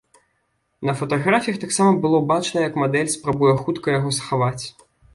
На фатаграфіях таксама было бачна, як мадэль спрабуе хутка яго схаваць.